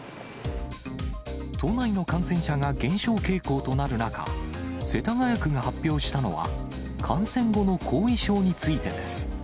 都内の感染者が減少傾向となる中、世田谷区が発表したのは、感染後の後遺症についてです。